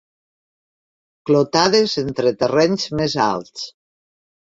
Clotades entre terrenys més alts.